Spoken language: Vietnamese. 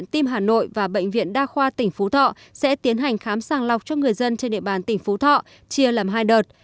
tim hà nội và bệnh viện đa khoa tỉnh phú thọ sẽ tiến hành khám sàng lọc cho người dân trên địa bàn tỉnh phú thọ chia làm hai đợt